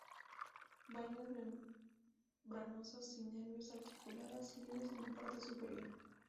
Vainas membranosas sin nervios, auriculadas, libres en la parte superior.